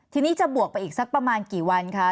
ทีนี้จะบวกไปอีกสักประมาณกี่วันคะ